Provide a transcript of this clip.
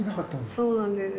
そうなんですよ。